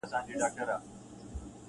زموږ پر مځکه په هوا کي دښمنان دي-